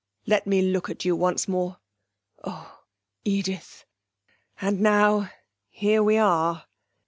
Let me look at you once more....Oh, Edith! And now here we are.'